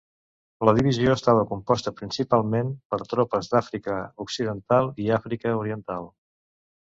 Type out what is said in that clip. La divisió estava composta principalment per tropes d'Àfrica Occidental i Àfrica Oriental.